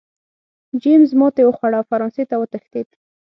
جېمز ماتې وخوړه او فرانسې ته وتښتېد.